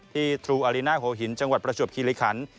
ที่ทรูอาริน่าโหหินจังหวัดประชวบคิริคัน